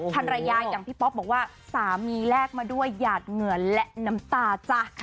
ภรรยาอย่างพี่ป๊อปบอกว่าสามีแลกมาด้วยหยาดเหงื่อและน้ำตาจ้ะ